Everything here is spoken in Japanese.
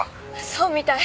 そうみたい。